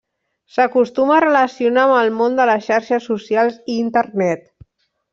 S'acostuma a relacionar amb el món de les xarxes socials i Internet.